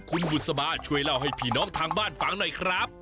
คุณบุษบาช่วยเล่าให้พี่น้องทางบ้านฟังหน่อยครับ